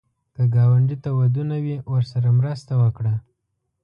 که ګاونډي ته ودونه وي، ورسره مرسته وکړه